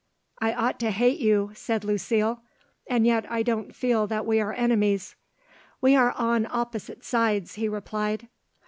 "I ought to hate you," said Lucile; "and yet I don't feel that we are enemies." "We are on opposite sides," he replied.